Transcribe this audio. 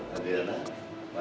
kalau gitu adriana